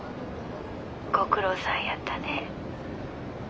ご苦労さんやったね。